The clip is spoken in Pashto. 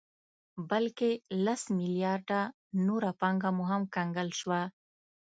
بلکې لس مليارده نوره پانګه مو هم کنګل شوه